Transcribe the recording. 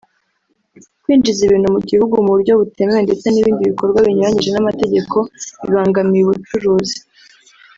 kwinjiza ibintu mu gihugu mu buryo butemewe ndetse n’ibindi bikorwa binyuranyije n’amategeko bibangamiye ubucuruzi